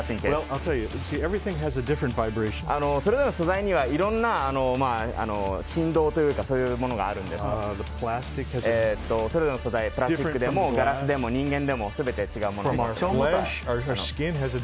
それらの素材にはいろんな振動というかそういうものがあるんですけどプラスチックでもガラスでも人間でも全て違うものです。